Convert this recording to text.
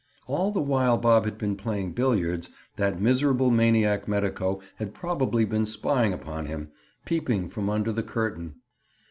All the while Bob had been playing billiards, that miserable maniac medico had probably been spying upon him, peeping from under the curtain.